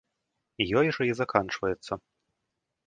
Ёй жа і заканчваецца.